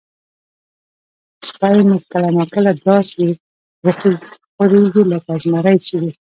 سپی مې کله نا کله داسې وخوریږي لکه زمری چې وي.